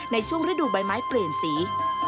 ในช่วงฤดูใบไม้เปลี่ยนสี